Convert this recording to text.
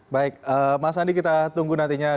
baik mas andi kita tunggu nantinya